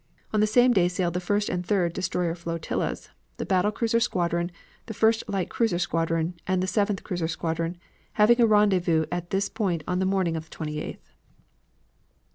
On that same day sailed the first and third destroyer flotillas, the battle cruiser squadron, first light cruiser squadron, and the seventh cruiser squadron, having a rendezvous at this point on the morning of the 28th.